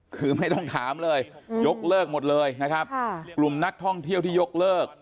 คือไม่ต้องถามเลยยกเลิกหมดเลยนะครับกลุ่มนักท่องเที่ยวที่ยกเลิก